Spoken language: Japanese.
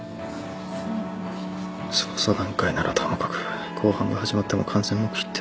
捜査段階ならともかく公判が始まっても完全黙秘って。